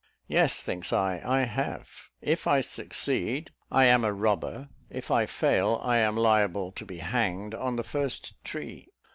"Yes," thinks I, "I have. If I succeed, I am a robber; if I fail, I am liable to be hanged on the first tree."